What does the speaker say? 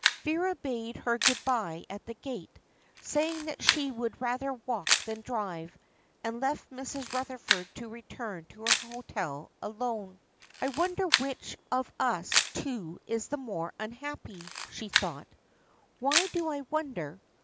Vera bade her good bye at the gate, saying that she would rather walk than drive, and left Mrs. Rutherford to return to her hotel alone. "I wonder which of us two is the more unhappy?" she thought. "Why do I wonder?